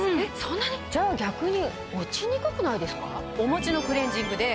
じゃあ逆に。